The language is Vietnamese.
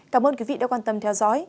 cảm ơn quý vị đã quan tâm theo dõi